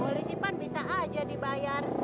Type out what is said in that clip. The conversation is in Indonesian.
polisi pan bisa aja dibayar